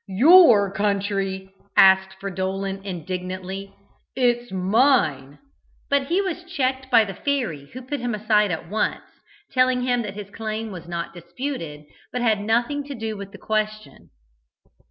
"Your country?" asked Fridolin indignantly. "It is mine!" but he was checked by the fairy, who put him aside at once, telling him that his claim was not disputed, but had nothing to do with the question.